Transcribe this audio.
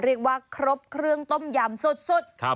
เรียกว่าครบเครื่องต้มยำสุด